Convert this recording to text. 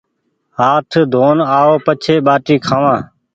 هآٿ ڌون آو پڇي ٻآٽي کآوآن